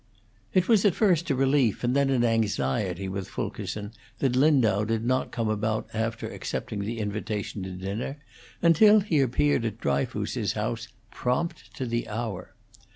It was at first a relief and then an anxiety with Fulkerson that Lindau did not come about after accepting the invitation to dinner, until he appeared at Dryfoos's house, prompt to the hour.